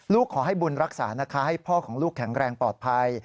ขอให้บุญรักษานะคะให้พ่อของลูกแข็งแรงปลอดภัย